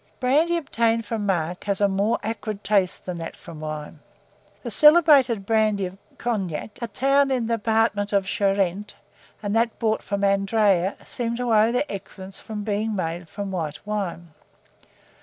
Brandy obtained from marc has a more acrid taste than that from wine. The celebrated brandy of Cognac, a town in the department of Charente, and that brought from Andraye, seem to owe their excellence from being made from white wine.